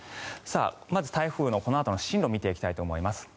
まず、台風のこのあとの進路を見ていきたいと思います。